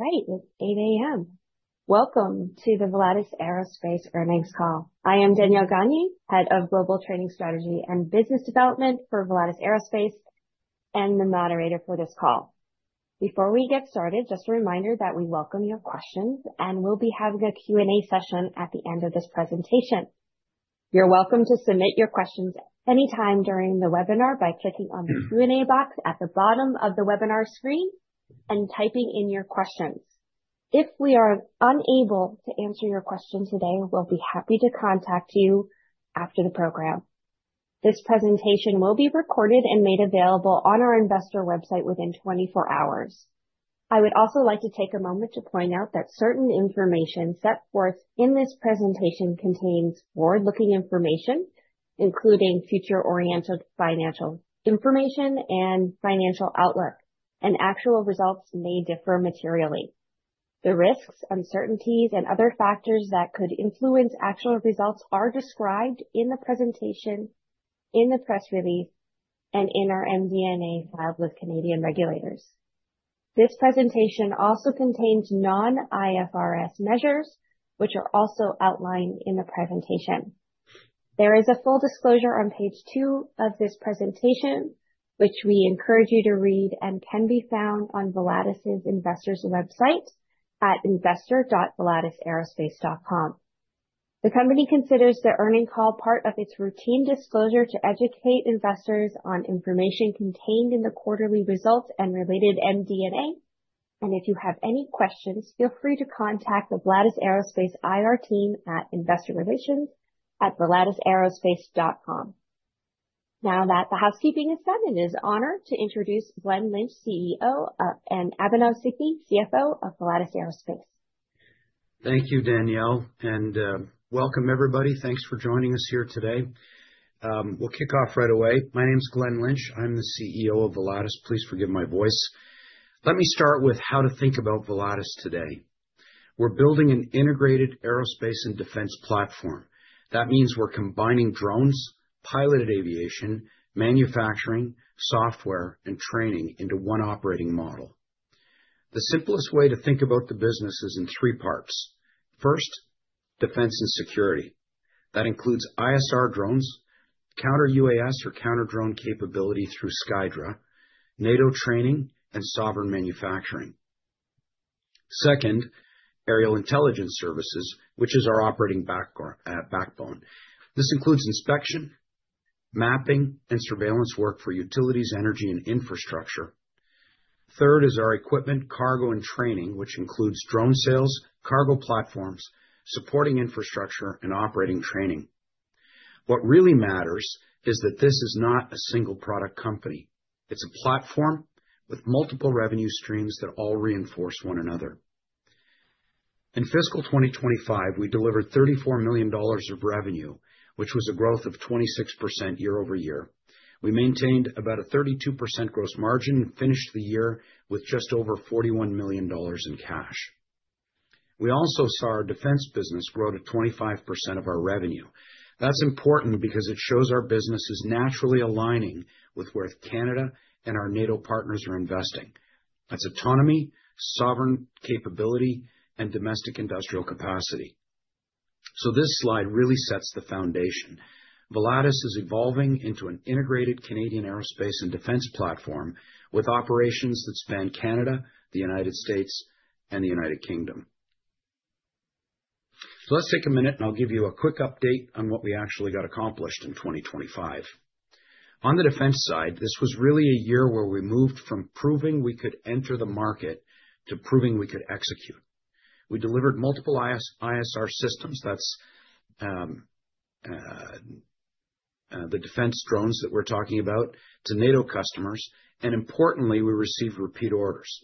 Right. It's 8:00 A.M. Welcome to the Volatus Aerospace earnings call. I am Danielle Gagne, Head of Global Training Strategy and Business Development for Volatus Aerospace, and the moderator for this call. Before we get started, just a reminder that we welcome your questions, and we'll be having a Q&A session at the end of this presentation. You're welcome to submit your questions anytime during the webinar by clicking on the Q&A box at the bottom of the webinar screen and typing in your questions. If we are unable to answer your question today, we'll be happy to contact you after the program. This presentation will be recorded and made available on our investor website within 24 hours. I would also like to take a moment to point out that certain information set forth in this presentation contains forward-looking information, including future-oriented financial information and financial outlook, and actual results may differ materially. The risks, uncertainties, and other factors that could influence actual results are described in the presentation, in the press release, and in our MD&A filed with Canadian regulators. This presentation also contains non-IFRS measures, which are also outlined in the presentation. There is a full disclosure on page two of this presentation, which we encourage you to read and can be found on Volatus' investor website at investor.volatusaerospace.com. The company considers the earnings call part of its routine disclosure to educate investors on information contained in the quarterly results and related MD&A. If you have any questions, feel free to contact the Volatus Aerospace IR team at investorrelations@volatusaerospace.com. Now that the housekeeping is done, it is an honor to introduce Glen Lynch, CEO, and Abhinav Singhvi, CFO of Volatus Aerospace. Thank you, Danielle, and welcome everybody. Thanks for joining us here today. We'll kick off right away. My name's Glen Lynch, I'm the CEO of Volatus. Please forgive my voice. Let me start with how to think about Volatus today. We're building an integrated aerospace and defence platform. That means we're combining drones, piloted aviation, manufacturing, software, and training into one operating model. The simplest way to think about the business is in three parts. First, Defence and Security. That includes ISR drones, counter-UAS or counter-drone capability through SKYDRA, NATO training, and sovereign manufacturing. Second, Aerial Intelligence Services, which is our operating backbone. This includes inspection, mapping, and surveillance work for utilities, energy, and infrastructure. Third is our Equipment, Cargo, and Training, which includes drone sales, cargo platforms, supporting infrastructure, and operating training. What really matters is that this is not a single-product company. It's a platform with multiple revenue streams that all reinforce one another. In fiscal 2025, we delivered 34 million dollars of revenue, which was a growth of 26% year-over-year. We maintained about a 32% gross margin, and finished the year with just over 41 million dollars in cash. We also saw our defence business grow to 25% of our revenue. That's important because it shows our business is naturally aligning with where Canada and our NATO partners are investing. That's autonomy, sovereign capability, and domestic industrial capacity. This slide really sets the foundation. Volatus is evolving into an integrated Canadian aerospace and defence platform with operations that span Canada, the United States, and the United Kingdom. Let's take a minute and I'll give you a quick update on what we actually got accomplished in 2025. On the Defence side, this was really a year where we moved from proving we could enter the market to proving we could execute. We delivered multiple ISR systems, that's the defence drones that we're talking about, to NATO customers, and importantly, we received repeat orders.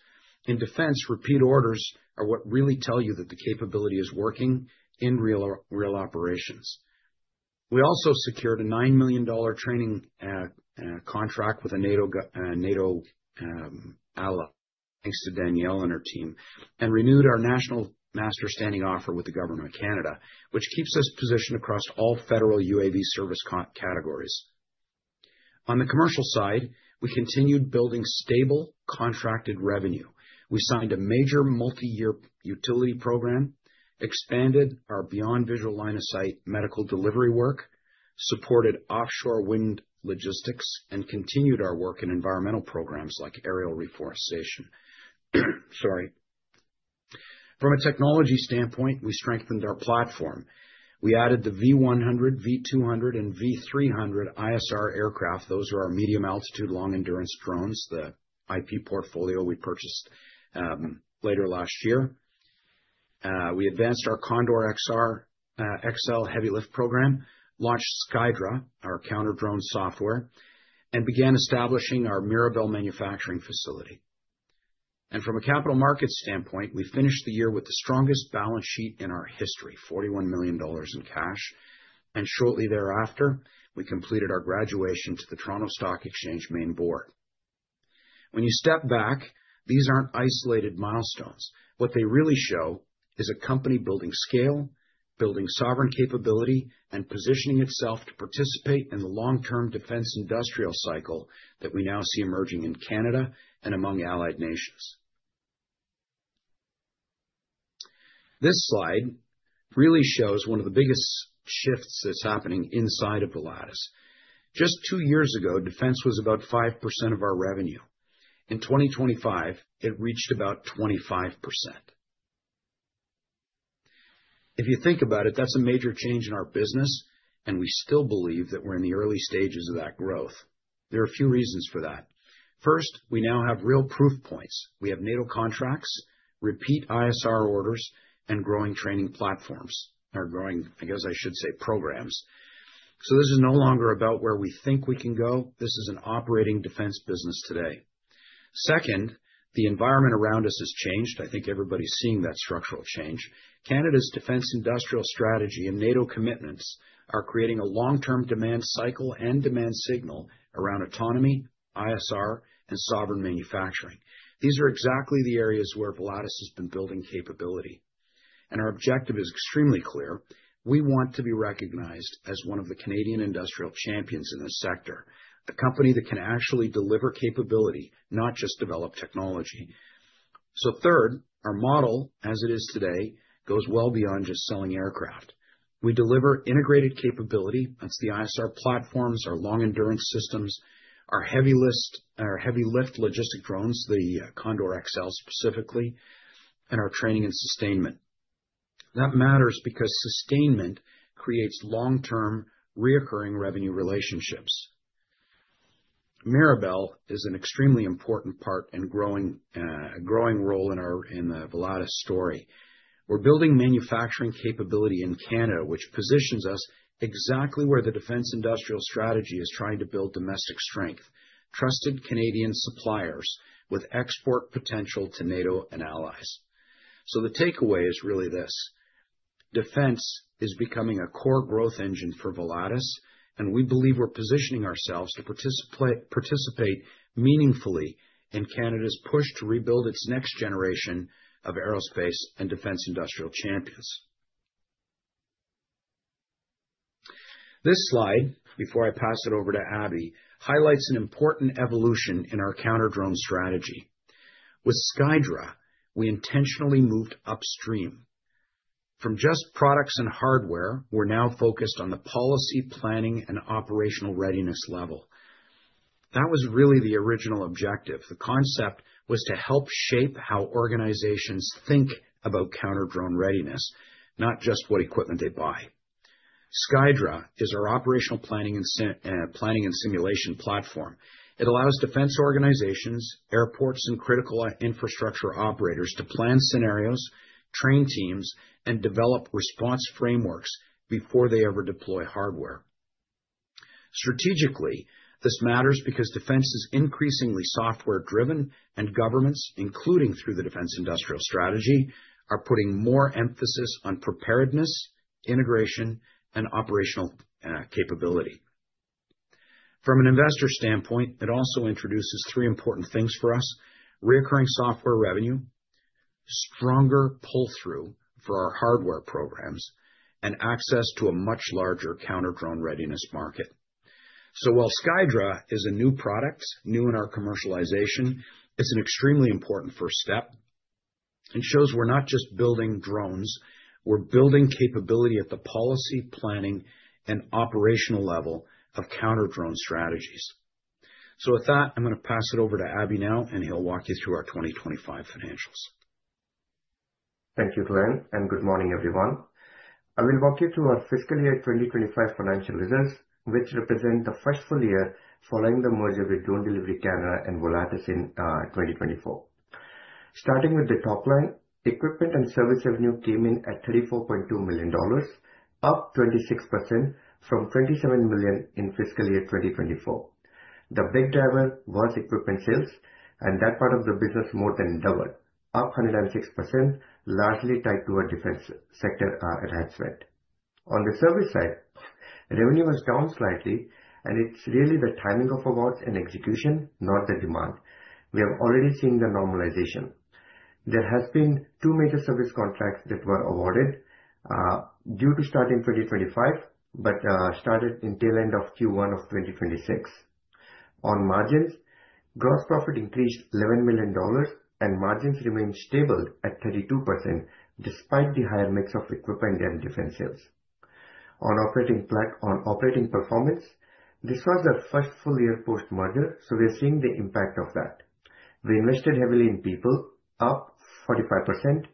In Defence, repeat orders are what really tell you that the capability is working in real operations. We also secured a 9 million dollar training contract with a NATO ally, thanks to Danielle and her team, and renewed our national master standing offer with the government of Canada, which keeps us positioned across all federal UAV service categories. On the commercial side, we continued building stable contracted revenue. We signed a major multi-year utility program, expanded our Beyond Visual Line of Sight medical delivery work, supported offshore wind logistics, and continued our work in environmental programs like aerial reforestation. From a technology standpoint, we strengthened our platform. We added the V100, V200, and V300 ISR aircraft. Those are our medium altitude, long endurance drones, the IP portfolio we purchased later last year. We advanced our Condor XL heavy lift program, launched SKYDRA, our counter-drone software, and began establishing our Mirabel manufacturing facility. From a capital market standpoint, we finished the year with the strongest balance sheet in our history, 41 million dollars in cash. Shortly thereafter, we completed our graduation to the Toronto Stock Exchange main board. When you step back, these aren't isolated milestones. What they really show is a company building scale, building sovereign capability, and positioning itself to participate in the long-term defence industrial cycle that we now see emerging in Canada and among allied nations. This slide really shows one of the biggest shifts that's happening inside of Volatus. Just two years ago, Defence was about 5% of our revenue. In 2025, it reached about 25%. If you think about it, that's a major change in our business, and we still believe that we're in the early stages of that growth. There are a few reasons for that. First, we now have real proof points. We have NATO contracts, repeat ISR orders, and growing training platforms, I guess I should say programs. This is no longer about where we think we can go. This is an operating Defence business today. Second, the environment around us has changed. I think everybody's seeing that structural change. Canada's Defence Industrial Strategy and NATO commitments are creating a long-term demand cycle and demand signal around autonomy, ISR, and sovereign manufacturing. These are exactly the areas where Volatus has been building capability, and our objective is extremely clear. We want to be recognized as one of the Canadian industrial champions in this sector, a company that can actually deliver capability, not just develop technology. Third, our model as it is today, goes well beyond just selling aircraft. We deliver integrated capability. That's the ISR platforms, our long enduring systems, our heavy-lift logistic drones, the Condor XL specifically, and our training and sustainment. That matters because sustainment creates long-term recurring revenue relationships. Mirabel is an extremely important part in a growing role in the Volatus story. We're building manufacturing capability in Canada, which positions us exactly where the Defence Industrial Strategy is trying to build domestic strength. Trusted Canadian suppliers with export potential to NATO and allies. The takeaway is really this: defence is becoming a core growth engine for Volatus, and we believe we're positioning ourselves to participate meaningfully in Canada's push to rebuild its next generation of aerospace and defence industrial champions. This slide, before I pass it over to Abhi, highlights an important evolution in our counter-drone strategy. With SKYDRA, we intentionally moved upstream. From just products and hardware, we're now focused on the policy planning and operational readiness level. That was really the original objective. The concept was to help shape how organizations think about counter-drone readiness, not just what equipment they buy. SKYDRA is our operational planning and simulation platform. It allows defence organizations, airports, and critical infrastructure operators to plan scenarios, train teams, and develop response frameworks before they ever deploy hardware. Strategically, this matters because defence is increasingly software-driven and governments, including through the Defence Industrial Strategy, are putting more emphasis on preparedness, integration, and operational capability. From an investor standpoint, it also introduces three important things for us. Recurring software revenue, stronger pull-through for our hardware programs, and access to a much larger counter-drone readiness market. While SKYDRA is a new product, new in our commercialization, it's an extremely important first step. It shows we're not just building drones, we're building capability at the policy planning and operational level of counter-drone strategies. With that, I'm gonna pass it over to Abhi now, and he'll walk you through our 2025 financials. Thank you, Glen, and good morning, everyone. I will walk you through our fiscal year 2025 financial results, which represent the first full year following the merger with Drone Delivery Canada and Volatus in 2024. Starting with the top line, equipment and service revenue came in at 34.2 million dollars, up 26% from 27 million in fiscal year 2024. The big driver was equipment sales and that part of the business more than doubled, up 106%, largely tied to our defence sector enhancement. On the service side, revenue was down slightly and it's really the timing of awards and execution, not the demand. We have already seen the normalization. There has been two major service contracts that were awarded due to start in 2025, but didn't start until end of Q1 of 2026. On margins, gross profit increased 11 million dollars and margins remained stable at 32% despite the higher mix of equipment and defence sales. On operating performance, this was our first full year post-merger, so we're seeing the impact of that. We invested heavily in people, up 45%.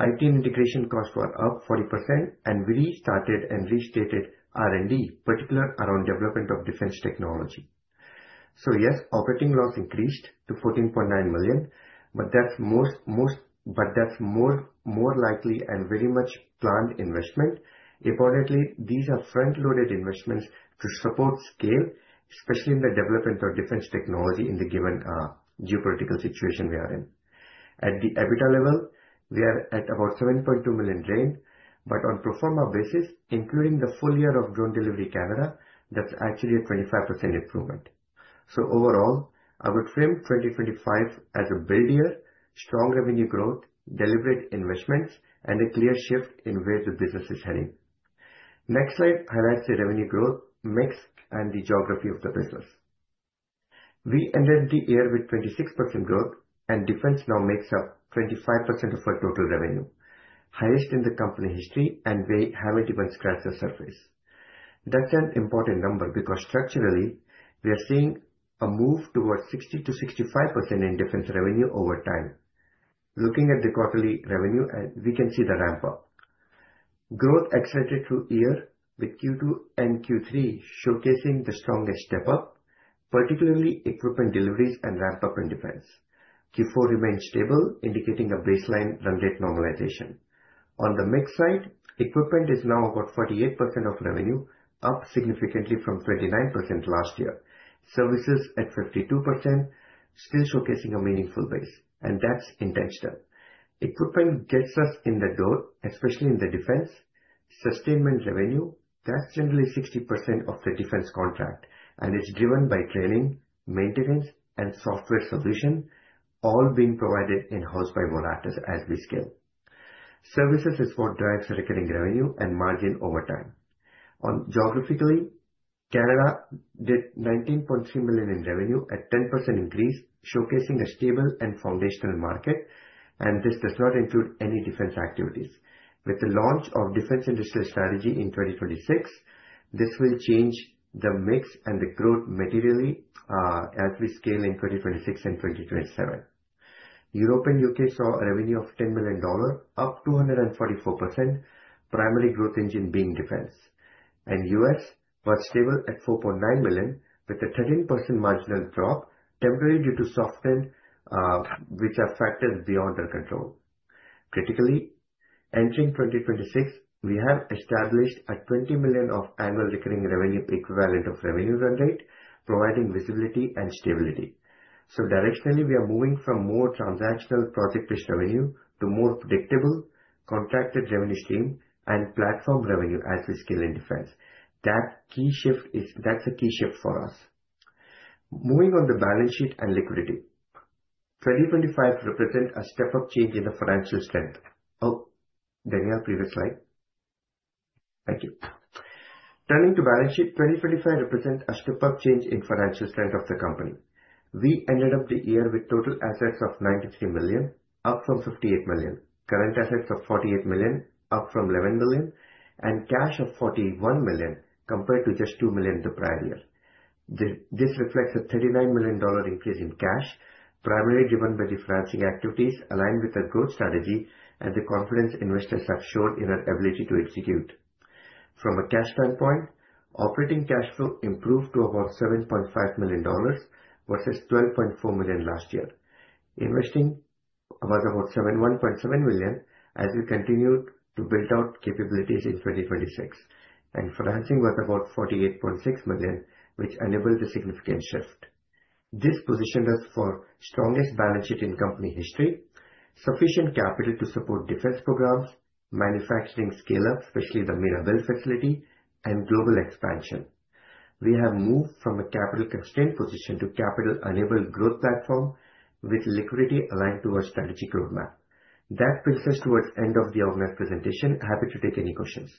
IT integration costs were up 40%. We restarted and restated R&D, particularly around development of defence technology. Yes, operating costs increased to 14.9 million, but that's more likely and very much planned investment. Importantly, these are front-loaded investments to support scale, especially in the development of defence technology in the given geopolitical situation we are in. At the EBITDA level, we are at about 7.2 million, but on pro forma basis, including the full year of Drone Delivery Canada, that's actually a 25% improvement. Overall, I would frame 2025 as a big year, strong revenue growth, deliberate investments, and a clear shift in where the business is heading. Next slide highlights the revenue growth mix and the geography of the business. We ended the year with 26% growth and defence now makes up 25% of our total revenue, highest in the company history, and we haven't even scratched the surface. That's an important number because structurally we are seeing a move towards 60%-65% in defence revenue over time. Looking at the quarterly revenue, we can see the ramp up. Growth accelerated through year with Q2 and Q3 showcasing the strongest step up, particularly equipment deliveries and ramp up in defence. Q4 remained stable, indicating a baseline run rate normalization. On the mix side, equipment is now about 48% of revenue, up significantly from 29% last year. Services at 52% still showcasing a meaningful base, and that's intentional. Equipment gets us in the door, especially in the defence sustainment revenue. That's generally 60% of the defence contract, and it's driven by training, maintenance, and software solution, all being provided in-house by Volatus as we scale. Services is what drives recurring revenue and margin over time. On geographically, Canada did 19.3 million in revenue at 10% increase, showcasing a stable and foundational market. This does not include any defence activities. With the launch of Defence Industrial Strategy in 2026, this will change the mix and the growth materially as we scale in 2026 and 2027. Europe and U.K. saw revenue of $10 million, up 244%, primary growth engine being defence. U.S. was stable at $4.9 million, with a 13% marginal drop temporarily due to softening, which are factors beyond our control. Critically, entering 2026, we have established $20 million of annual recurring revenue equivalent of revenue run rate, providing visibility and stability. Directionally, we are moving from more transactional project-based revenue to more predictable contracted revenue stream and platform revenue as we scale in defence. That's a key shift for us. Moving on the balance sheet and liquidity. 2025 represents a step up change in the financial strength. Oh, Danielle, previous slide. Thank you. Turning to balance sheet. 2025 represents a step up change in financial strength of the company. We ended the year with total assets of 93 million, up from 58 million. Current assets of 48 million, up from 11 million. Cash of 41 million compared to just 2 million the prior year. This reflects a CAD 39 million increase in cash, primarily driven by the financing activities aligned with our growth strategy and the confidence investors have shown in our ability to execute. From a cash standpoint, operating cash flow improved to about 7.5 million dollars versus -12.4 million last year. Investing was about -1.7 million as we continued to build out capabilities in 2026. Financing was about 48.6 million, which enabled a significant shift. This positioned us for strongest balance sheet in company history, sufficient capital to support defence programs, manufacturing scale up, especially the Mirabel facility, and global expansion. We have moved from a capital constrained position to capital enabled growth platform with liquidity aligned to our strategic roadmap. That brings us toward end of the organized presentation. Happy to take any questions.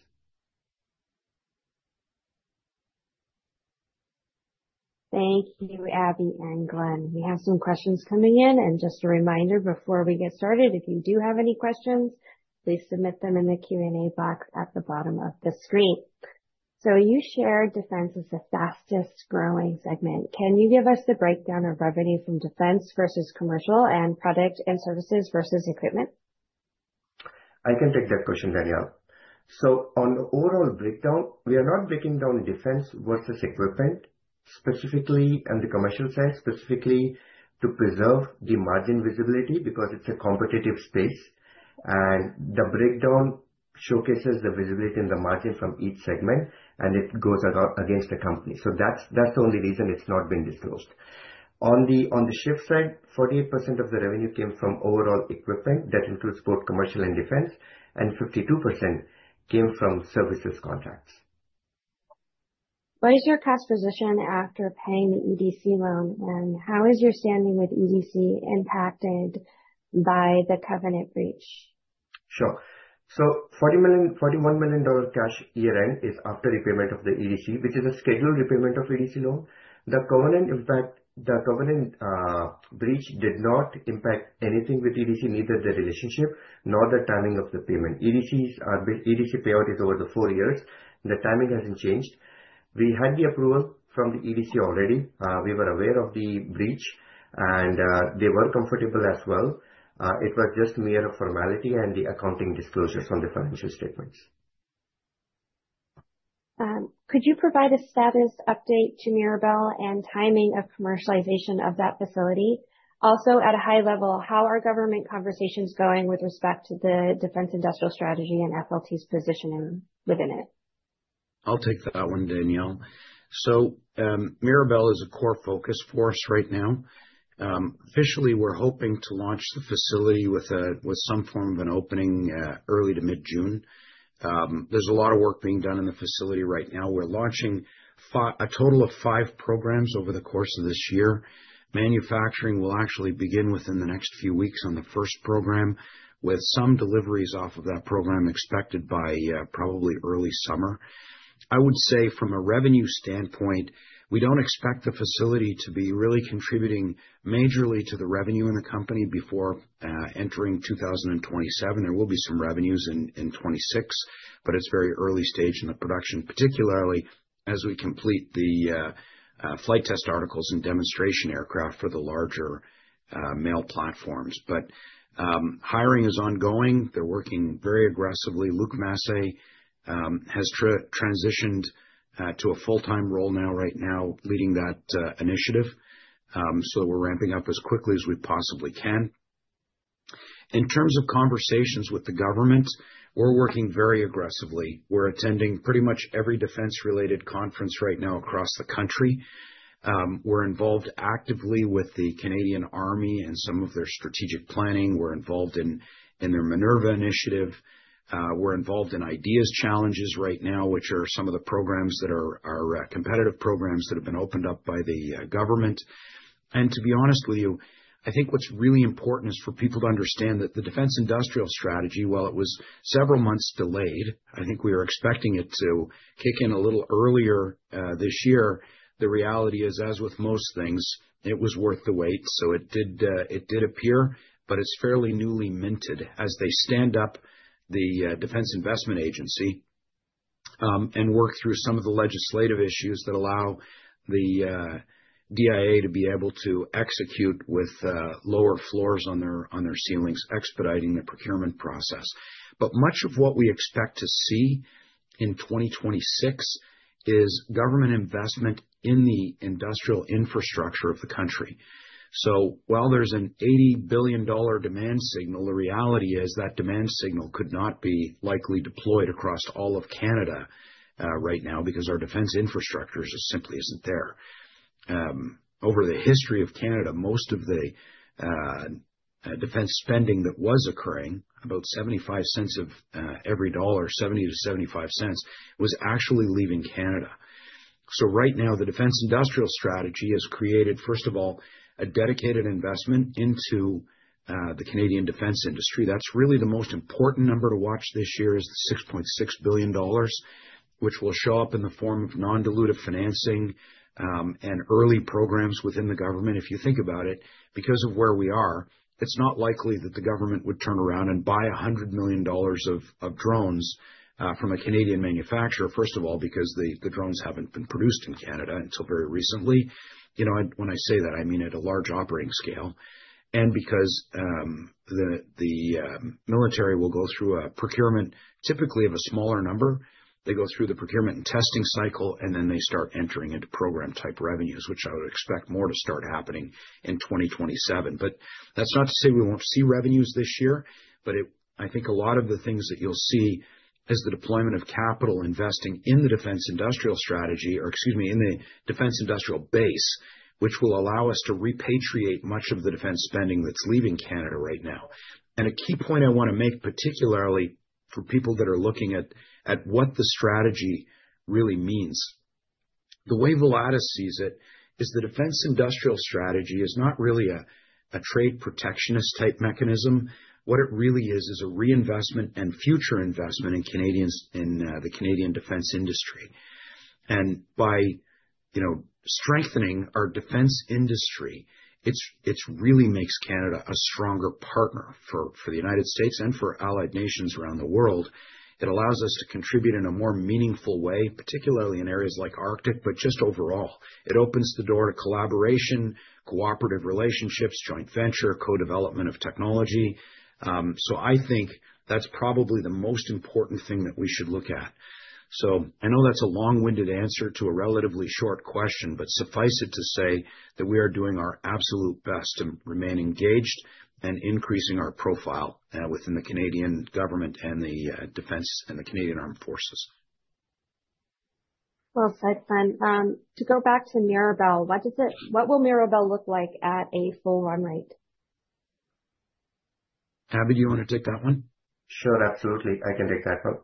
Thank you, Abhi and Glen. We have some questions coming in. Just a reminder before we get started, if you do have any questions, please submit them in the Q&A box at the bottom of the screen. You shared Defence is the fastest growing segment. Can you give us the breakdown of revenue from Defence versus Commercial and Products and Services versus Equipment? I can take that question, Danielle. On the overall breakdown, we are not breaking down Defence versus Equipment specifically on the Commercial side, specifically to preserve the margin visibility because it's a competitive space. The breakdown showcases the visibility and the margin from each segment, and it goes against the company. That's the only reason it's not been disclosed. On the service side, 48% of the revenue came from overall equipment. That includes both Commercial and Defence, and 52% came from services contracts. What is your cash position after paying the EDC loan, and how is your standing with EDC impacted by the covenant breach? Sure. 41 million dollar cash year-end is after repayment of the EDC, which is a scheduled repayment of EDC loan. The covenant breach did not impact anything with EDC. Neither the relationship nor the timing of the payment. EDC payout is over the four years. The timing hasn't changed. We had the approval from the EDC already. We were aware of the breach and they were comfortable as well. It was just a mere formality and the accounting disclosures on the financial statements. Could you provide a status update to Mirabel and timing of commercialization of that facility? Also, at a high level, how are government conversations going with respect to the Defence Industrial Strategy and FLT's positioning within it? I'll take that one, Danielle. Mirabel is a core focus for us right now. Officially, we're hoping to launch the facility with some form of an opening early to mid-June. There's a lot of work being done in the facility right now. We're launching a total of five programs over the course of this year. Manufacturing will actually begin within the next few weeks on the first program, with some deliveries off of that program expected by probably early summer. I would say from a revenue standpoint, we don't expect the facility to be really contributing majorly to the revenue in the company before entering 2027. There will be some revenues in 2026, but it's very early stage in the production, particularly as we complete the flight test articles and demonstration aircraft for the larger MALE platforms. Hiring is ongoing. They're working very aggressively. Luc Massé has transitioned to a full-time role now leading that initiative. We're ramping up as quickly as we possibly can. In terms of conversations with the government, we're working very aggressively. We're attending pretty much every defence-related conference right now across the country. We're involved actively with the Canadian Army and some of their strategic planning. We're involved in their MINERVA Initiative. We're involved in IDEaS challenges right now, which are some of the programs that are competitive programs that have been opened up by the government. To be honest with you, I think, what's really important is for people to understand that the Defence Industrial Strategy, while it was several months delayed, I think, we were expecting it to kick in a little earlier, this year, the reality is, as with most things, it was worth the wait. It did appear, but it's fairly newly minted as they stand up the Defence Investment Agency, and work through some of the legislative issues that allow the DIA to be able to execute with lower floors on their ceilings, expediting the procurement process. Much of what we expect to see in 2026 is government investment in the industrial infrastructure of the country. While there's a 80 billion dollar demand signal, the reality is that demand signal could not be likely deployed across all of Canada right now because our defence infrastructure just simply isn't there. Over the history of Canada, most of the defence spending that was occurring, about 0.75 of every dollar 1. 0.70-0.75 dollar was actually leaving Canada. Right now, the Defence Industrial Strategy has created, first of all, a dedicated investment into the Canadian defence industry. That's really the most important number to watch this year is the 6.6 billion dollars, which will show up in the form of non-dilutive financing and early programs within the government. If you think about it, because of where we are, it's not likely that the government would turn around and buy 100 million dollars of drones from a Canadian manufacturer, first of all, because the drones haven't been produced in Canada until very recently. You know, when I say that, I mean at a large operating scale. Because the military will go through a procurement typically of a smaller number. They go through the procurement and testing cycle, and then they start entering into program-type revenues, which I would expect more to start happening in 2027. That's not to say we won't see revenues this year. I think a lot of the things that you'll see is the deployment of capital investing in the Defence Industrial Strategy or, excuse me, in the Defence Industrial Base, which will allow us to repatriate much of the defence spending that's leaving Canada right now. A key point I wanna make, particularly for people that are looking at what the strategy really means, the way Volatus sees it is the Defence Industrial Strategy is not really a trade protectionist-type mechanism. What it really is, is a reinvestment and future investment in Canadians in the Canadian defence industry. By, you know, strengthening our defence industry, it's really makes Canada a stronger partner for the United States and for allied nations around the world. It allows us to contribute in a more meaningful way, particularly in areas like Arctic. But just overall, it opens the door to collaboration, cooperative relationships, joint venture, co-development of technology. I think, that's probably the most important thing that we should look at. I know that's a long-winded answer to a relatively short question, but suffice it to say that we are doing our absolute best and remain engaged and increasing our profile within the Canadian government and the defence and the Canadian Armed Forces. Well said, Glen. To go back to Mirabel, what will Mirabel look like at a full run rate? Abhi, do you wanna take that one? Sure, absolutely. I can take that one.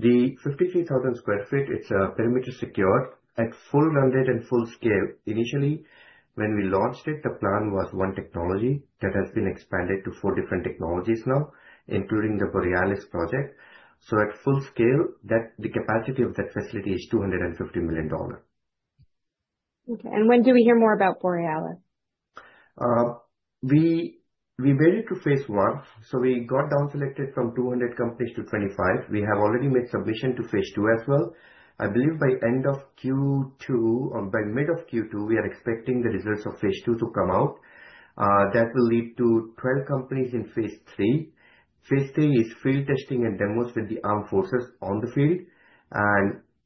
The 53,000 sq ft, it's perimeter secure. At full run rate and full scale, initially, when we launched it, the plan was one technology that has been expanded to four different technologies now, including Borealis project. At full scale, that, the capacity of that facility is 250 million dollars. Okay. When do we hear more about Borealis? We made it to phase one, so we got down selected from 200 companies to 25. We have already made submission to phase two as well. I believe by end of Q2 or by mid of Q2, we are expecting the results of phase two to come out. That will lead to 12 companies in phase three. Phase three is field testing and demos with the Armed Forces on the field.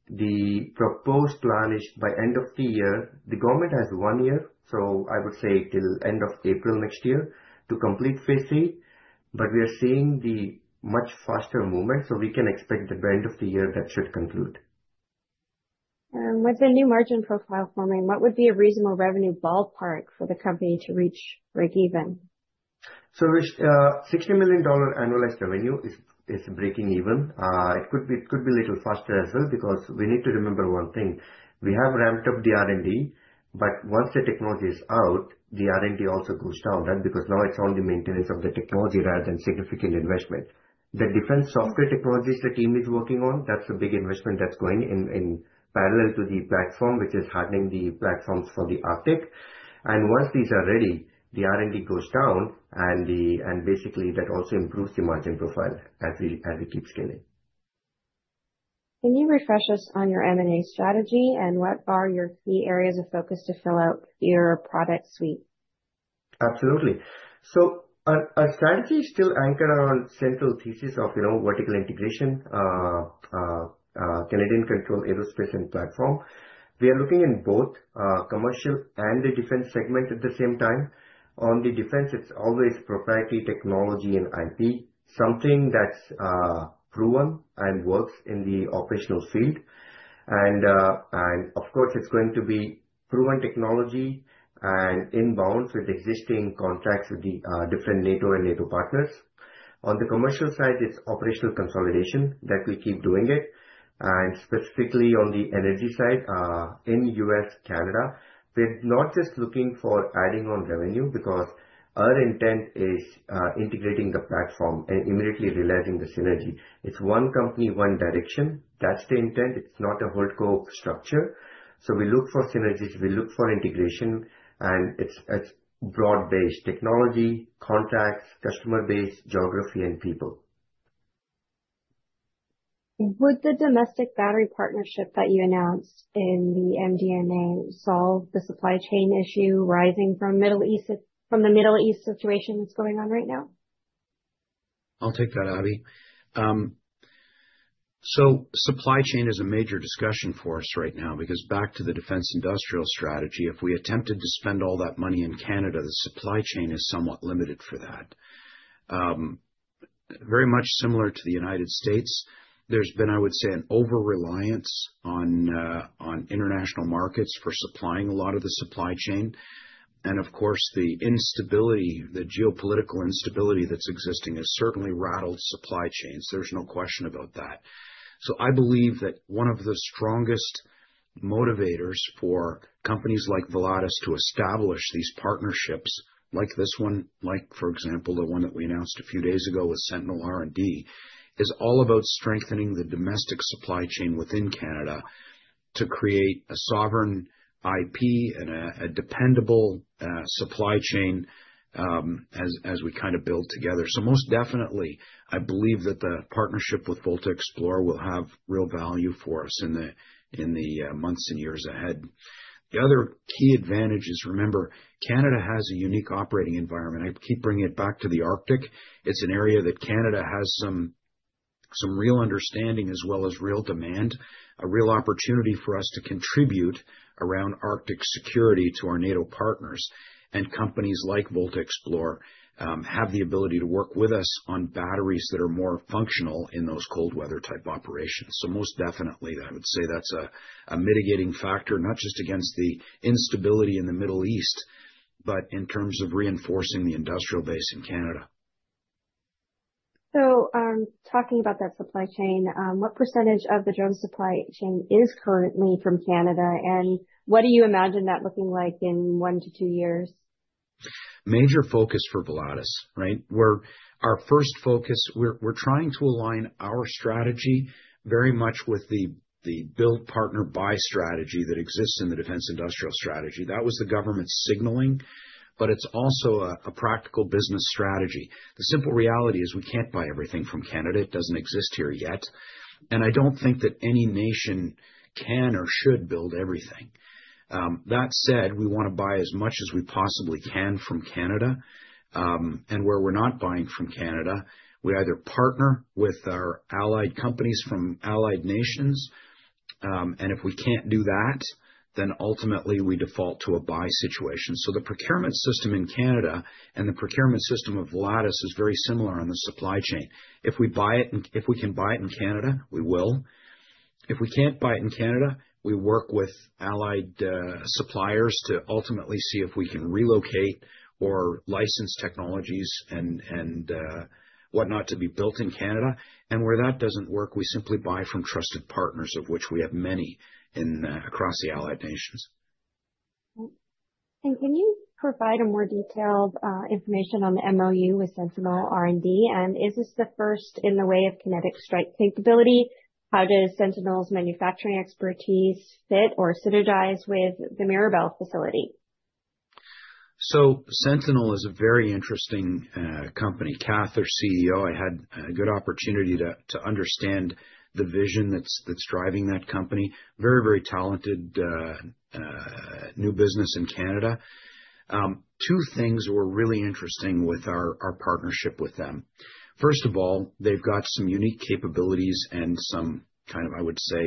The proposed plan is by end of the year. The government has one year, so I would say till end of April next year to complete phase three. But we are seeing the much faster movement, so we can expect by end of the year that should conclude. With the new margin profile forming, what would be a reasonable revenue ballpark for the company to reach breakeven? With 60 million dollar annualized revenue, it is breaking even. It could be a little faster as well, because we need to remember one thing. We have ramped up the R&D, but once the technology is out, the R&D also goes down and because now it is only maintenance of the technology rather than significant investment. The different software technologies the team is working on, that is a big investment that is going in parallel to the platform, which is hardening the platforms for the Arctic. Once these are ready, the R&D goes down and basically that also improves the margin profile as we keep scaling. Can you refresh us on your M&A strategy and what are your key areas of focus to fill out your product suite? Absolutely. Our strategy is still anchored around central thesis of, you know, vertical integration, Canadian control aerospace and platform. We are looking in both commercial and the defence segment at the same time. On the defence, it's always proprietary technology and IP, something that's proven and works in the operational field. Of course, it's going to be proven technology and inbounds with existing contracts with the different NATO and NATO partners. On the commercial side, it's operational consolidation, that we keep doing it. Specifically on the energy side, in U.S., Canada, we're not just looking for adding on revenue because our intent is integrating the platform and immediately realizing the synergy. It's one company, one direction. That's the intent. It's not a hold co structure. We look for synergies, we look for integration, and it's broad-based technology, contracts, customer base, geography and people. Would the domestic battery partnership that you announced in the MD&A solve the supply chain issue arising from the Middle East situation that's going on right now? I'll take that, Abhi. Supply chain is a major discussion for us right now because back to the Defence Industrial Strategy, if we attempted to spend all that money in Canada, the supply chain is somewhat limited for that. Very much similar to the United States. There's been, I would say, an over-reliance on international markets for supplying a lot of the supply chain. Of course, the instability, the geopolitical instability that's existing has certainly rattled supply chains. There's no question about that. I believe that one of the strongest motivators for companies like Volatus to establish these partnerships like this one, like for example, the one that we announced a few days ago with Sentinel R&D, is all about strengthening the domestic supply chain within Canada to create a sovereign IP and a dependable supply chain as we kind of build together. Most definitely, I believe that the partnership with VoltaXplore will have real value for us in the months and years ahead. The other key advantage is, remember, Canada has a unique operating environment. I keep bringing it back to the Arctic. It's an area that Canada has some real understanding as well as real demand, a real opportunity for us to contribute around Arctic security to our NATO partners. Companies like VoltaXplore have the ability to work with us on batteries that are more functional in those cold weather type operations. Most definitely, I would say that's a mitigating factor, not just against the instability in the Middle East, but in terms of reinforcing the industrial base in Canada. Talking about that supply chain, what percentage of the drone supply chain is currently from Canada, and what do you imagine that looking like in one to two years? Major focus for Volatus, right? Our first focus, we're trying to align our strategy very much with the build-partner-buy strategy that exists in the Defence Industrial Strategy. That was the government signaling, but it's also a practical business strategy. The simple reality is we can't buy everything from Canada. It doesn't exist here yet. I don't think that any nation can or should build everything. That said, we wanna buy as much as we possibly can from Canada. Where we're not buying from Canada, we either partner with our allied companies from allied nations, and if we can't do that, then ultimately we default to a buy situation. The procurement system in Canada and the procurement system of Volatus is very similar on the supply chain. If we can buy it in Canada, we will. If we can't buy it in Canada, we work with allied suppliers to ultimately see if we can relocate or license technologies and whatnot to be built in Canada. Where that doesn't work, we simply buy from trusted partners, of which we have many in across the allied nations. Can you provide a more detailed information on the MOU with Sentinel R&D? Is this the first in the way of kinetic strike capability? How does Sentinel's manufacturing expertise fit or synergize with the Mirabel facility? Sentinel is a very interesting company. Kath, their CEO, I had a good opportunity to understand the vision that's driving that company. Very talented new business in Canada. Two things were really interesting with our partnership with them. First of all, they've got some unique capabilities and some kind of, I would say,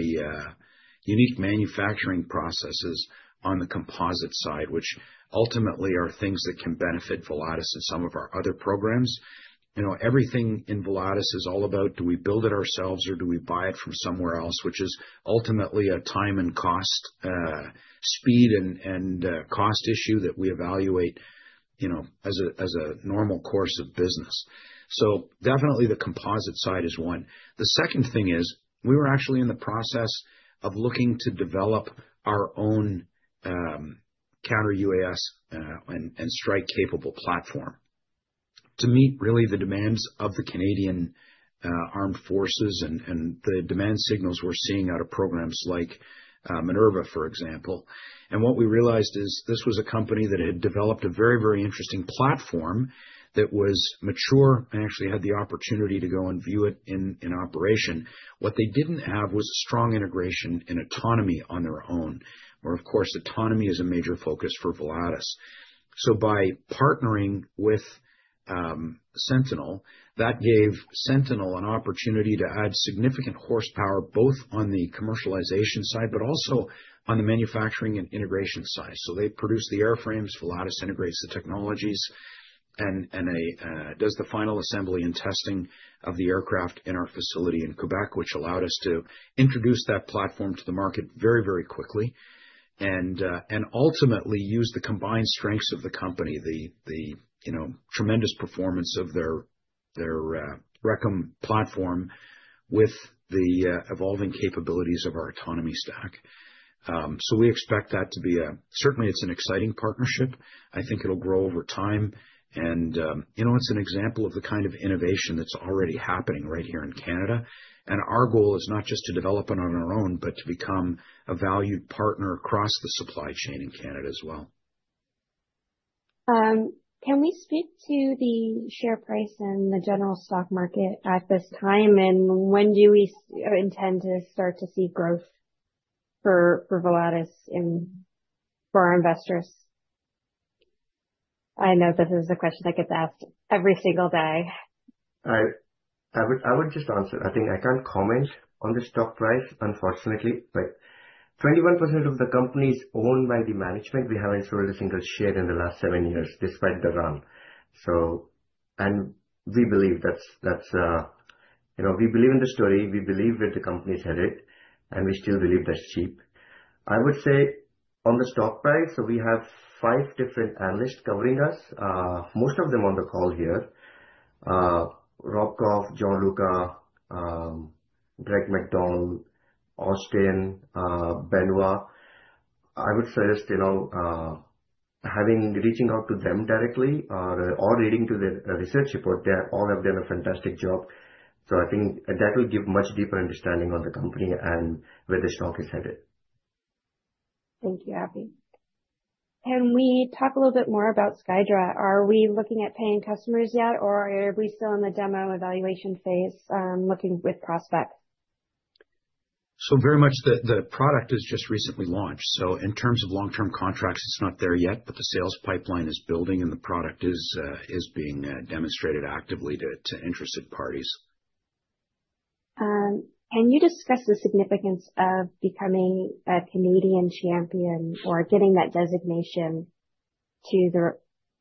unique manufacturing processes on the composite side, which ultimately are things that can benefit Volatus and some of our other programs. You know, everything in Volatus is all about do we build it ourselves or do we buy it from somewhere else, which is ultimately a time and cost, speed and cost issue that we evaluate, you know, as a normal course of business. Definitely, the composite side is one. The second thing is we were actually in the process of looking to develop our own counter-UAS and strike-capable platform to meet really the demands of the Canadian Armed Forces and the demand signals we're seeing out of programs like MINERVA, for example. What we realized is this was a company that had developed a very interesting platform that was mature and actually had the opportunity to go and view it in operation. What they didn't have was a strong integration and autonomy on their own, where of course, autonomy is a major focus for Volatus. By partnering with Sentinel, that gave Sentinel an opportunity to add significant horsepower, both on the commercialization side, but also on the manufacturing and integration side. They produce the airframes, Volatus integrates the technologies and does the final assembly and testing of the aircraft in our facility in Quebec, which allowed us to introduce that platform to the market very, very quickly and ultimately use the combined strengths of the company, the, you know, tremendous performance of their Recon platform with the evolving capabilities of our autonomy stack. We expect that to be. Certainly, it's an exciting partnership. I think it'll grow over time. You know, it's an example of the kind of innovation that's already happening right here in Canada. Our goal is not just to develop it on our own, but to become a valued partner across the supply chain in Canada as well. Can we speak to the share price and the general stock market at this time? When do we intend to start to see growth for Volatus and for our investors? I know this is a question that gets asked every single day. I would just answer. I think, I can't comment on the stock price, unfortunately, but 21% of the company is owned by the management. We haven't sold a single share in the last seven years despite the run. We believe that's, you know, we believe in the story. We believe where the company's headed, and we still believe that's cheap. I would say on the stock price, we have five different analysts covering us, most of them on the call here, Rob Goff, Gianluca, Greg MacDonald, Austin, Benoit. I would suggest, you know, reaching out to them directly or reading the research report. They all have done a fantastic job. I think that will give much deeper understanding of the company and where the stock is headed. Thank you, Abhi. Can we talk a little bit more about SKYDRA? Are we looking at paying customers yet, or are we still in the demo evaluation phase, looking with prospects? Very much the product is just recently launched, so in terms of long-term contracts, it's not there yet. The sales pipeline is building, and the product is being demonstrated actively to interested parties. Can you discuss the significance of becoming a Canadian champion or getting that designation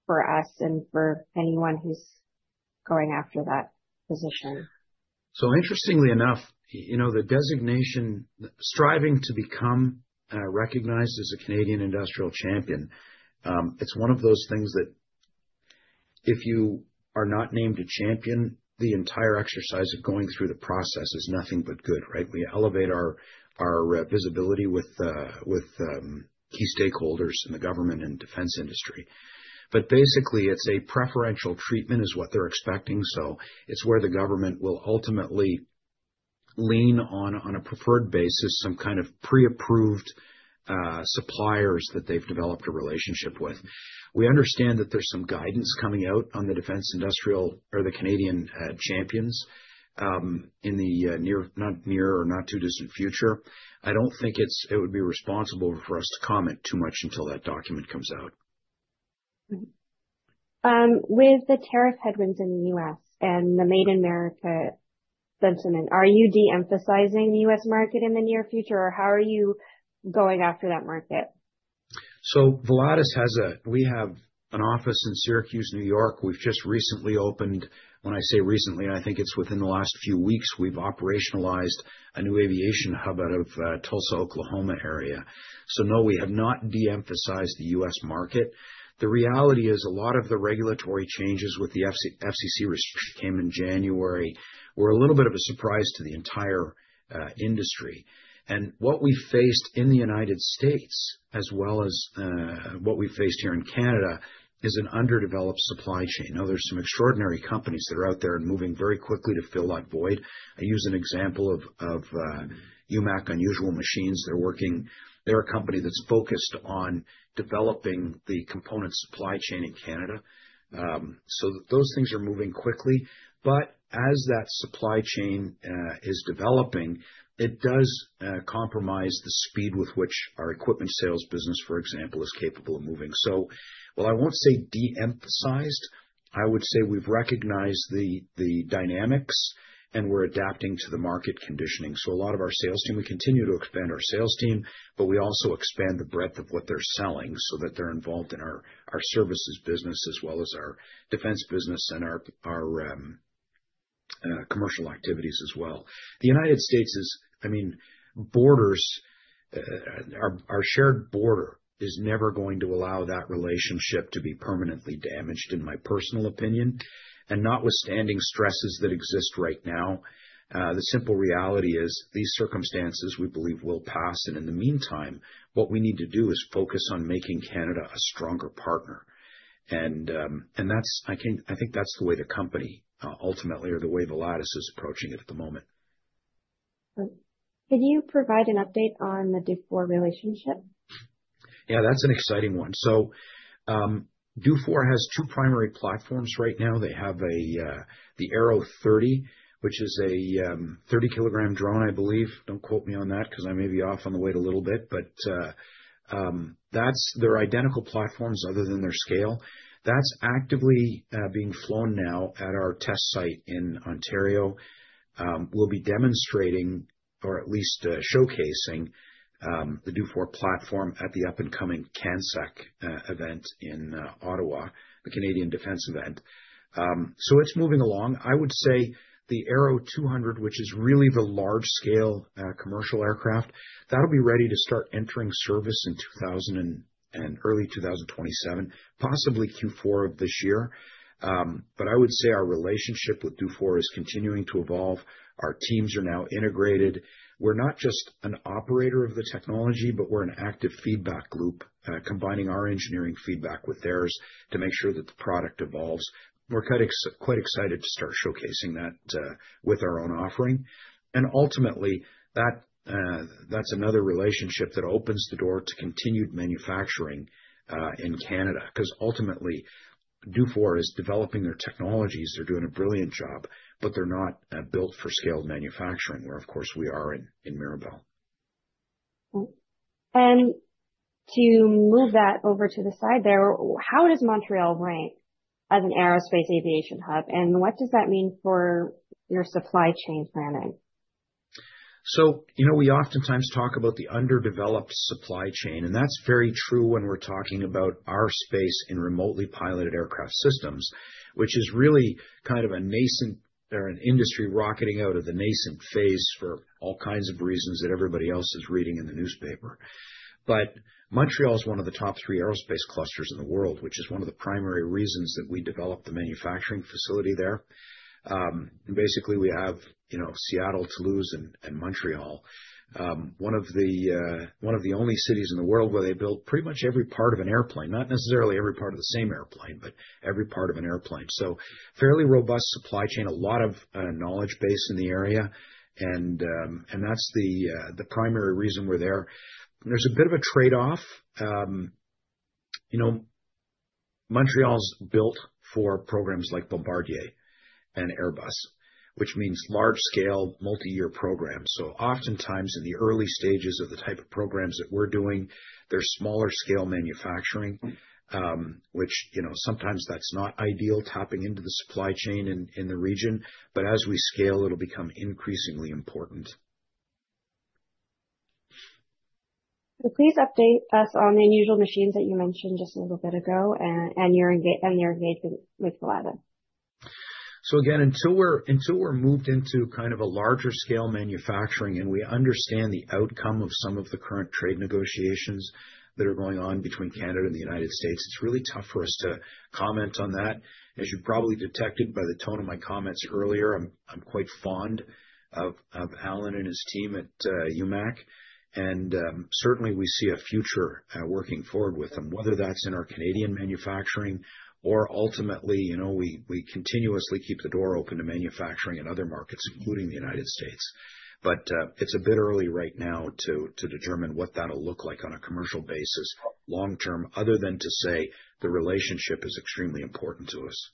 for us and for anyone who's going after that position? Interestingly enough, you know, the designation, striving to become recognized as a Canadian industrial champion, it's one of those things that if you are not named a champion, the entire exercise of going through the process is nothing but good, right? We elevate our visibility with key stakeholders in the government and defence industry. Basically, it's a preferential treatment is what they're expecting. It's where the government will ultimately lean on a preferred basis, some kind of pre-approved suppliers that they've developed a relationship with. We understand that there's some guidance coming out on the defence industrial or the Canadian champions in the not too distant future. I don't think it would be responsible for us to comment too much until that document comes out. With the tariff headwinds in the U.S. and the Made in America sentiment, are you de-emphasizing the U.S. market in the near future, or how are you going after that market? We have an office in Syracuse, New York. We've just recently opened. When I say recently, I think it's within the last few weeks, we've operationalized a new aviation hub out of Tulsa, Oklahoma area. No, we have not de-emphasized the U.S. market. The reality is a lot of the regulatory changes with the FCC restriction came in January, were a little bit of a surprise to the entire industry. What we faced in the United States, as well as what we faced here in Canada, is an underdeveloped supply chain. Now, there's some extraordinary companies that are out there and moving very quickly to fill that void. I use an example of UMAC, Unusual Machines. They're working. They're a company that's focused on developing the component supply chain in Canada. Those things are moving quickly. As that supply chain is developing, it does compromise the speed with which our equipment sales business, for example, is capable of moving. While I won't say de-emphasized, I would say we've recognized the dynamics and we're adapting to the market conditioning. A lot of our sales team, we continue to expand our sales team, but we also expand the breadth of what they're selling so that they're involved in our services business as well as our defence business and our commercial activities as well. The United States is. I mean, borders, our shared border is never going to allow that relationship to be permanently damaged, in my personal opinion. Notwithstanding stresses that exist right now, the simple reality is these circumstances, we believe, will pass. In the meantime, what we need to do is focus on making Canada a stronger partner. I think, that's the way the company ultimately, or the way Volatus is approaching it at the moment. Can you provide an update on the Dufour relationship? Yeah, that's an exciting one. Dufour has two primary platforms right now. They have the Aero-30, which is a 30 kg drone, I believe. Don't quote me on that 'cause I may be off on the weight a little bit. They're identical platforms other than their scale. That's actively being flown now at our test site in Ontario. We'll be demonstrating or at least showcasing the Dufour platform at the up-and-coming CANSEC event in Ottawa, the Canadian Defence event. It's moving along. I would say the Aero-200, which is really the large scale commercial aircraft, that'll be ready to start entering service in early 2027, possibly Q4 of this year. I would say our relationship with Dufour is continuing to evolve. Our teams are now integrated. We're not just an operator of the technology, but we're an active feedback group, combining our engineering feedback with theirs to make sure that the product evolves. We're quite excited to start showcasing that, with our own offering. Ultimately, that's another relationship that opens the door to continued manufacturing in Canada, 'cause ultimately Dufour is developing their technologies. They're doing a brilliant job, but they're not built for scale manufacturing, where of course we are in Mirabel. To move that over to the side there, how does Montreal rank as an aerospace aviation hub, and what does that mean for your supply chain planning? You know, we oftentimes talk about the underdeveloped supply chain, and that's very true when we're talking about our space in remotely piloted aircraft systems, which is really kind of a nascent or an industry rocketing out of the nascent phase for all kinds of reasons that everybody else is reading in the newspaper. Montreal is one of the top three aerospace clusters in the world, which is one of the primary reasons that we developed the manufacturing facility there. We have, you know, Seattle, Toulouse, and Montreal, one of the only cities in the world where they build pretty much every part of an airplane, not necessarily every part of the same airplane, but every part of an airplane. Fairly robust supply chain, a lot of knowledge base in the area. That's the primary reason we're there. There's a bit of a trade-off. You know, Montreal's built for programs like Bombardier and Airbus, which means large scale, multi-year programs. Oftentimes, in the early stages of the type of programs that we're doing, they're smaller scale manufacturing, which, you know, sometimes that's not ideal tapping into the supply chain in the region. As we scale, it'll become increasingly important. Please update us on the Unusual Machines that you mentioned just a little bit ago and your engagement with Volatus? Again, until we're moved into kind of a larger scale manufacturing, and we understand the outcome of some of the current trade negotiations that are going on between Canada and the United States., it's really tough for us to comment on that. As you probably detected by the tone of my comments earlier, I'm quite fond of Allan and his team at UMAC. Certainly, we see a future working forward with them, whether that's in our Canadian manufacturing or ultimately, you know, we continuously keep the door open to manufacturing in other markets, including the United States. It's a bit early right now to determine what that'll look like on a commercial basis long term, other than to say the relationship is extremely important to us.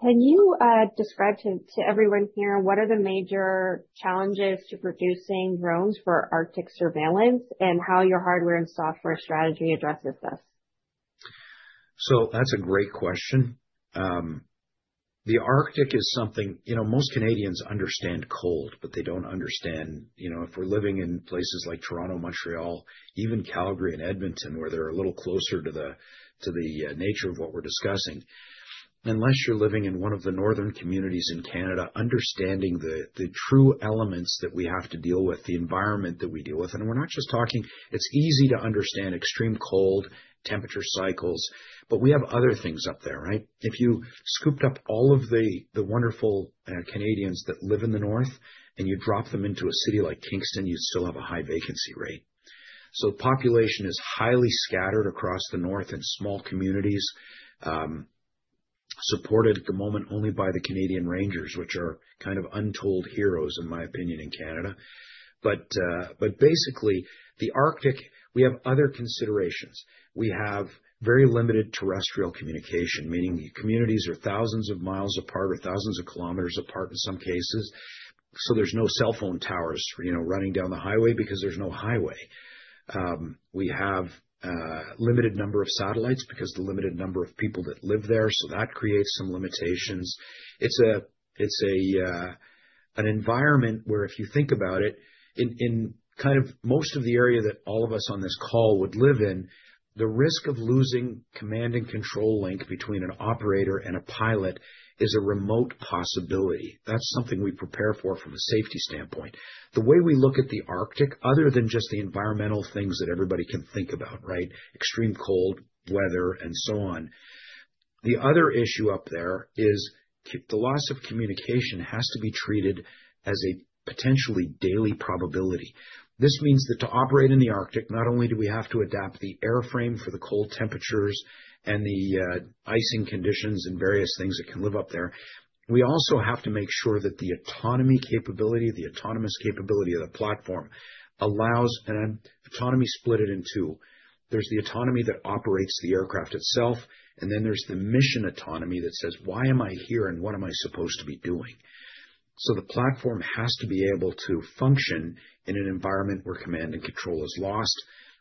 Can you describe to everyone here what are the major challenges to producing drones for Arctic surveillance and how your hardware and software strategy addresses this? That's a great question. The Arctic is something. You know, most Canadians understand cold, but they don't understand, you know, if we're living in places like Toronto, Montreal, even Calgary and Edmonton, where they're a little closer to the nature of what we're discussing. Unless you're living in one of the northern communities in Canada, understanding the true elements that we have to deal with, the environment that we deal with, and we're not just talking. It's easy to understand extreme cold temperature cycles, but we have other things up there, right? If you scooped up all of the wonderful Canadians that live in the north and you drop them into a city like Kingston, you still have a high vacancy rate. Population is highly scattered across the North in small communities, supported at the moment only by the Canadian Rangers, which are kind of untold heroes in my opinion, in Canada. Basically the Arctic, we have other considerations. We have very limited terrestrial communication, meaning communities are thousands of miles apart or thousands of kilometers apart in some cases. There's no cell phone towers, you know, running down the highway because there's no highway. We have a limited number of satellites because the limited number of people that live there, so that creates some limitations. It's an environment where if you think about it, in kind of most of the area that all of us on this call would live in, the risk of losing command and control link between an operator and a pilot is a remote possibility. That's something we prepare for from a safety standpoint. The way we look at the Arctic, other than just the environmental things that everybody can think about, right? Extreme cold weather and so on. The other issue up there is the loss of communication has to be treated as a potentially daily probability. This means that to operate in the Arctic, not only do we have to adapt the airframe for the cold temperatures and the icing conditions and various things that can live up there, we also have to make sure that the autonomy capability, the autonomous capability of the platform allows. There's the autonomy that operates the aircraft itself, and then there's the mission autonomy that says, "Why am I here, and what am I supposed to be doing?" The platform has to be able to function in an environment where command and control is lost,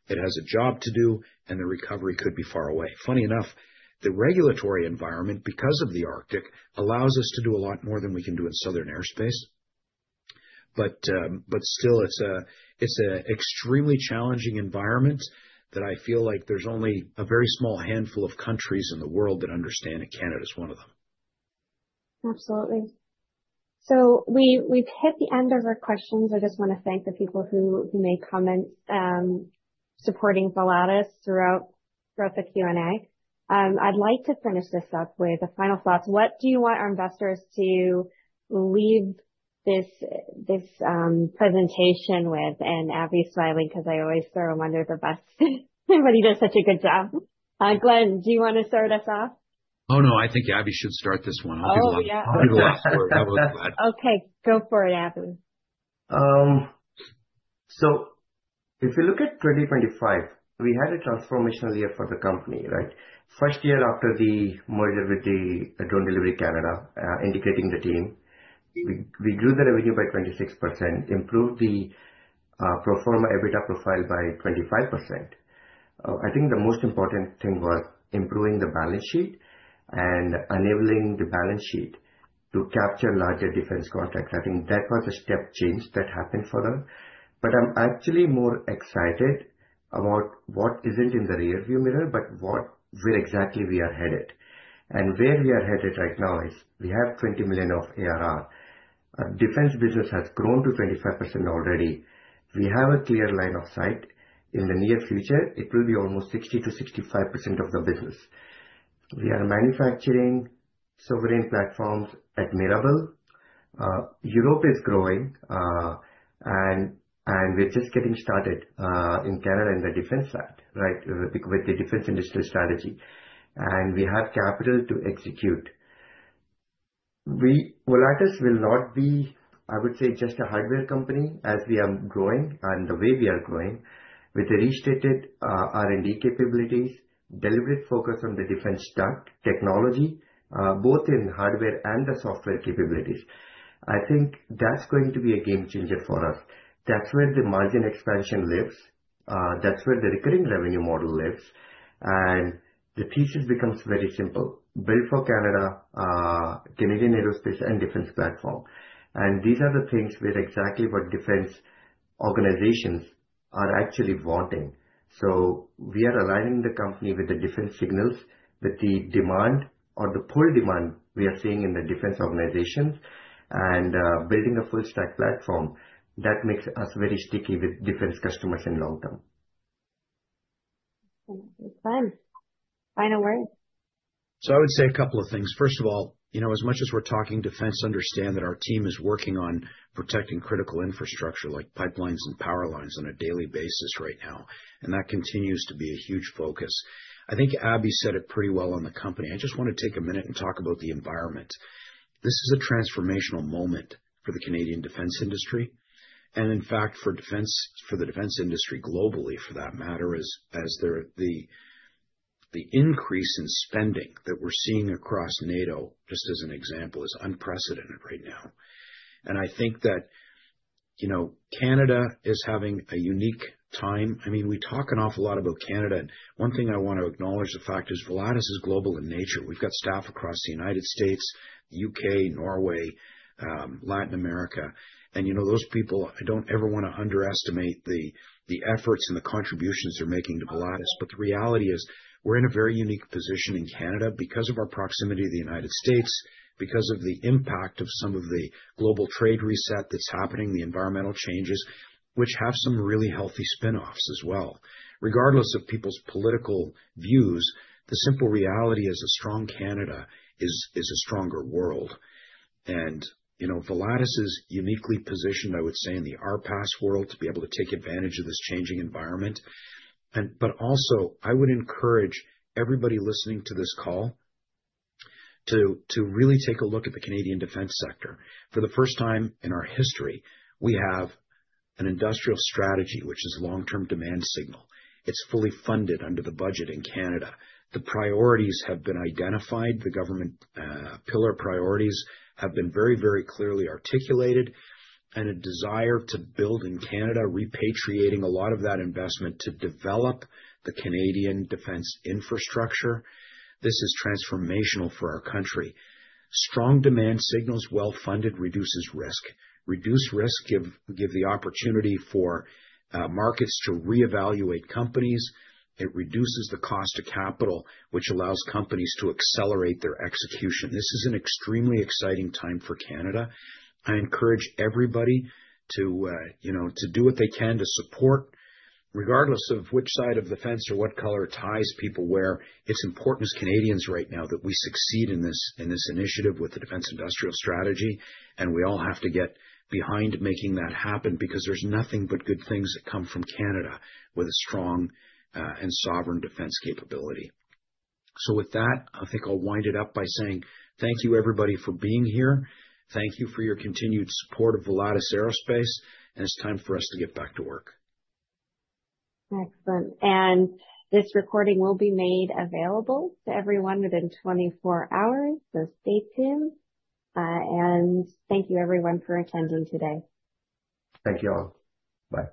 it has a job to do, and the recovery could be far away. Funny enough, the regulatory environment, because of the Arctic, allows us to do a lot more than we can do in southern airspace. But still it's an extremely challenging environment that I feel like there's only a very small handful of countries in the world that understand it, and Canada is one of them. Absolutely. We've hit the end of our questions. I just wanna thank the people who made comments supporting Volatus throughout the Q&A. I'd like to finish this up with the final thoughts. What do you want our investors to leave this presentation with? Abhi's smiling 'cause I always throw him under the bus. Everybody does such a good job. Glen, do you wanna start us off? Oh, no. I think Abhi should start this one. Oh, yeah. I'll give a lot for it. That was good. Okay. Go for it, Abhi. If you look at 2025, we had a transformational year for the company, right? First year after the merger with the Drone Delivery Canada, integrating the team. We grew the revenue by 26%, improved the pro forma EBITDA profile by 25%. I think the most important thing was improving the balance sheet and enabling the balance sheet to capture larger defence contracts. I think that was a step change that happened for them. I'm actually more excited about what isn't in the rearview mirror, but what where exactly we are headed. Where we are headed right now is we have 20 million of ARR. Our defence business has grown to 25% already. We have a clear line of sight. In the near future, it will be almost 60%-65% of the business. We are manufacturing sovereign platforms at Mirabel. Europe is growing, and we're just getting started in Canada in the defence side, right? With the Defence Industrial Strategy. We have capital to execute. Volatus will not be, I would say, just a hardware company as we are growing and the way we are growing with a reinstated R&D capabilities, deliberate focus on the defence stack, technology, both in hardware and the software capabilities. I think that's going to be a game changer for us. That's where the margin expansion lives. That's where the recurring revenue model lives. The future becomes very simple. Build for Canada, Canadian aerospace and defence platform. These are the things where exactly what defence organizations are actually wanting. We are aligning the company with the defence signals, with the demand or the poor demand we are seeing in the defence organizations, and building a full stack platform that makes us very sticky with defence customers in long term. Excellent. Final word. I would say a couple of things. First of all, you know, as much as we're talking defence, understand that our team is working on protecting critical infrastructure like pipelines and power lines on a daily basis right now, and that continues to be a huge focus. I think Abhi said it pretty well on the company. I just wanna take a minute and talk about the environment. This is a transformational moment for the Canadian defence industry, and in fact for defence, for the defence industry globally for that matter, as there, the increase in spending that we're seeing across NATO, just as an example, is unprecedented right now. I think that, you know, Canada is having a unique time. I mean, we talk an awful lot about Canada, and one thing I wanna acknowledge, the fact is Volatus is global in nature. We've got staff across the United States, U.K., Norway, Latin America. You know, those people, I don't ever wanna underestimate the efforts and the contributions they're making to Volatus. The reality is, we're in a very unique position in Canada because of our proximity to the United States, because of the impact of some of the global trade reset that's happening, the environmental changes, which have some really healthy spinoffs as well. Regardless of people's political views, the simple reality is a strong Canada is a stronger world. You know, Volatus is uniquely positioned, I would say, in the RPAS world, to be able to take advantage of this changing environment. But also I would encourage everybody listening to this call to really take a look at the Canadian defence sector. For the first time in our history, we have an industrial strategy, which is long-term demand signal. It's fully funded under the budget in Canada. The priorities have been identified. The government pillar priorities have been very, very clearly articulated and a desire to build in Canada, repatriating a lot of that investment to develop the Canadian defence infrastructure. This is transformational for our country. Strong demand signals, well funded, reduces risk. Reduced risk give the opportunity for markets to reevaluate companies. It reduces the cost of capital, which allows companies to accelerate their execution. This is an extremely exciting time for Canada. I encourage everybody to you know, to do what they can to support regardless of which side of the fence or what color ties people wear. It's important as Canadians right now that we succeed in this initiative with the Defence Industrial Strategy, and we all have to get behind making that happen because there's nothing but good things that come from Canada with a strong and sovereign defence capability. With that, I think I'll wind it up by saying thank you everybody for being here. Thank you for your continued support of Volatus Aerospace, and it's time for us to get back to work. Excellent. This recording will be made available to everyone within 24 hours, so stay tuned. Thank you everyone for attending today. Thank you all. Bye.